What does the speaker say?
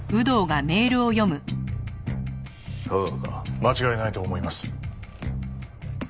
間違いないと思います。